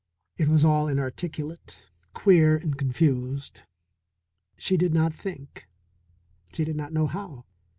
It was all inarticulate, queer and confused. She did not think, she did not know how.